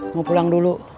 mau pulang dulu